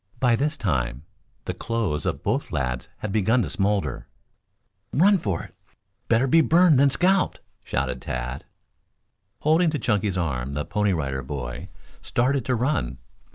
By this time the clothes of both lads had begun to smoulder. "Run for it! Better be burned than scalped!" shouted Tad. Holding to Chunky's arm the Pony Rider Boy started to run.